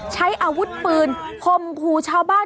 ใช้อาวุธปืนคมขู่ชาวบ้าน